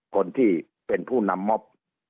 คนที่เป็นผู้นำมอบ